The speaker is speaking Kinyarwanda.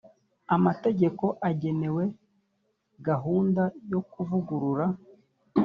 amategeko agenewe gahunda yo kuvugurura